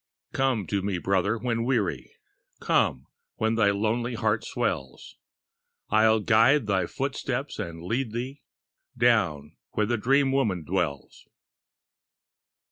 Come to me, brother, when weary, Come when thy lonely heart swells; I 'll guide thy footsteps and lead thee Down where the Dream Woman dwells.